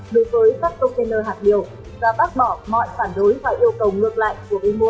đối với các container hạt điều và bác bỏ mọi phản đối và yêu cầu ngược lại của người mua